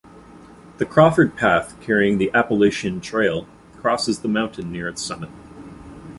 The Crawford Path, carrying the Appalachian Trail, crosses the mountain near its summit.